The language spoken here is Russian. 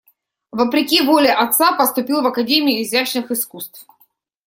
Вопреки воле отца поступил в академию изящных искусств.